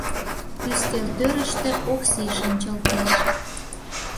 Ӱстелтӧрыштӧ Окси шинчылтеш.